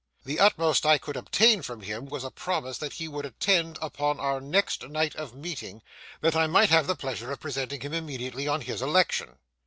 The utmost I could obtain from him was a promise that he would attend upon our next night of meeting, that I might have the pleasure of presenting him immediately on his election.